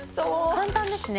簡単ですね。